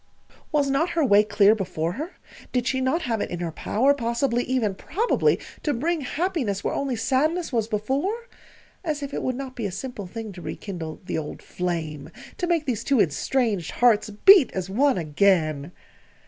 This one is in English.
Was not her way clear now before her? Did she not have it in her power, possibly even probably to bring happiness where only sadness was before? As if it would not be a simple thing to rekindle the old flame to make these two estranged hearts beat as one again!